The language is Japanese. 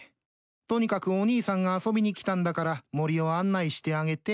とにかくお兄さんが遊びに来たんだから森を案内してあげて。